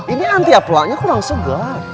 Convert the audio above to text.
ini anti aplanya kurang segar